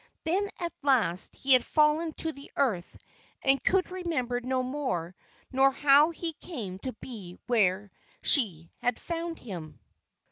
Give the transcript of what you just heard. Then at last he had fallen to the earth, and could remember no more nor how he came to be where she had found him.